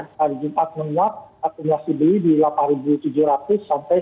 hari jumat menyuap akumulasi beli di delapan ribu tujuh ratus sampai sembilan ribu